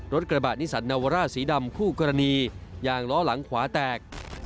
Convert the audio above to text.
รถกระบะนิสันนาวาร่าสีดำคู่กรณียางล้อหลังขวาแตก